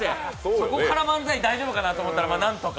そこから漫才大丈夫かなと思ったら、なんとか。